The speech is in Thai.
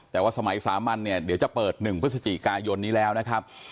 แต่ว่าสมัยสามัญเนี่ยเดี๋ยวจะเปิด๑พฤศจิกายนนี้แล้วนะครับ